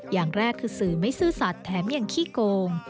อย่างแรกคือสื่อไม่ซื่อสัตว์แถมยังขี้โกง